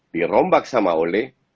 dirombak sama ole